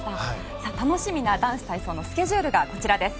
さあ、楽しみな男子体操のスケジュールがこちらです。